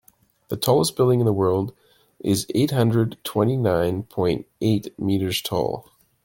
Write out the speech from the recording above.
The tallest building in the world is eight hundred twenty nine point eight meters tall.